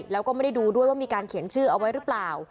แล้วก็ไม่ได้ดูด้วยว่ามีการเขียนชื่อเอาไว้หรือเปล่า